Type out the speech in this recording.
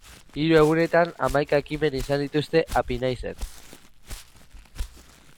Hiru egunetan hamaika ekimen izan dituzte Apinaizen.